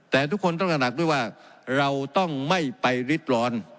แต่ทุกคนต้องตระหนักด้วยว่าเราต้องไม่ไปริดร้อน